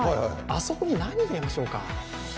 あそこに何、入れるんでしょうか。